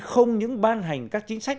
không những ban hành các chính sách